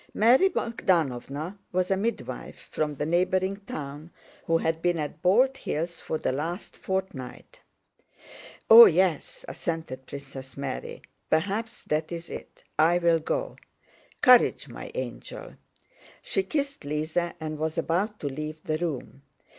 (Mary Bogdánovna was a midwife from the neighboring town, who had been at Bald Hills for the last fortnight.) "Oh yes," assented Princess Mary, "perhaps that's it. I'll go. Courage, my angel." She kissed Lise and was about to leave the room.